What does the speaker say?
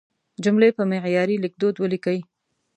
جملې په معیاري لیکدود ولیکئ.